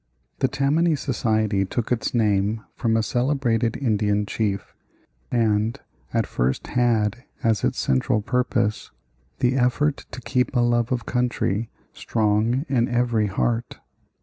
The Tammany Society took its name from a celebrated Indian chief, and at first had as its central purpose the effort to keep a love of country strong in every heart.